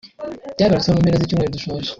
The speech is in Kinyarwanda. Byagarutsweho mu mpera z’icyumweru dusoje